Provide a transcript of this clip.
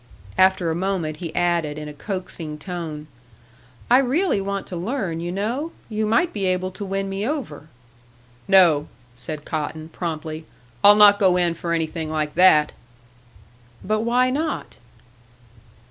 After a moment he added, in a coaxing tone, "I really want to learn, you know. You might be able to win me over." "No!" said Cotton, promptly. "I'll not go in for anything like that!" "But why not?"